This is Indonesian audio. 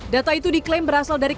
data itu diklaim berasal dari